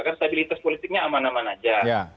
kan stabilitas politiknya aman aman aja